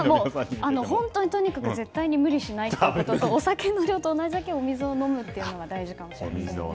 本当に無理しないということとお酒の量と同じだけお水を飲むというのが大事かもしれません。